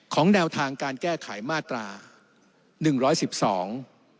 แนวทางการแก้ไขมาตราหนึ่งร้อยสิบสอง